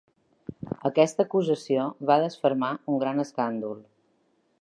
Aquesta acusació va desfermar un gran escàndol.